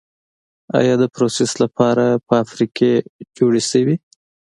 آیا دپروسس لپاره فابریکې جوړې شوي؟